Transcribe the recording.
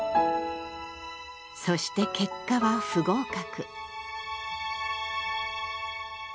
そして結果は不合格。